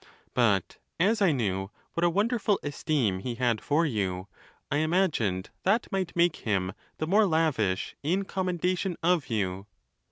But as I knew what a wonderful esteem he had for you, I imagined that might make him the more lavish in commendation of you.